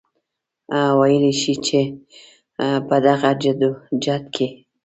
وئيلی شي چې پۀ دغه جدوجهد کې